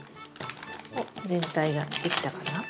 おっ全体ができたかな？